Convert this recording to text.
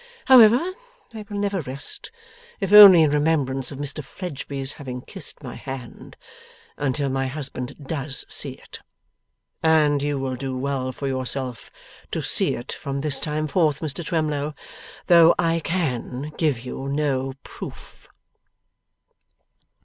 However, I will never rest (if only in remembrance of Mr Fledgeby's having kissed my hand) until my husband does see it. And you will do well for yourself to see it from this time forth, Mr Twemlow, though I CAN give you no proof.